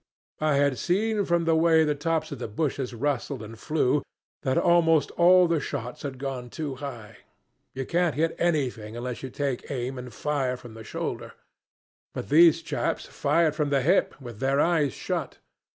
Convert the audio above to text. I had seen, from the way the tops of the bushes rustled and flew, that almost all the shots had gone too high. You can't hit anything unless you take aim and fire from the shoulder; but these chaps fired from the hip with their eyes shut.